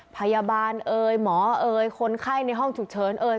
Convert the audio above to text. พยาบาลเอ่ยหมอเอ่ยคนไข้ในห้องฉุกเฉินเอ่ย